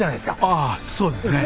ああそうですね。